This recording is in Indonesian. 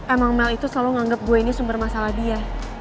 emang mel itu selalu menganggap gue ini sumber masalah dia